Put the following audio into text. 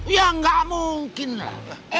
iya gak mungkin lah